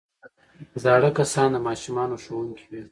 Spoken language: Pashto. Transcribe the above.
زاړه کسان د ماشومانو ښوونکي وي